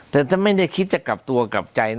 แต่ถ้าไม่ได้คิดจะกลับตัวกลับใจนะ